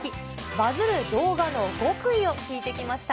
バズる動画の極意を聞いてきました。